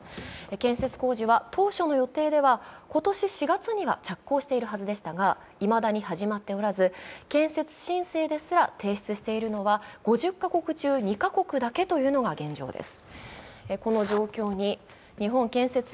建設工事は当初の予定では今年４月には着工しているはずでしたがいまだに始まっておらず、建設申請ですら提出しているのは、５０か国中２か国だけというのが現状です。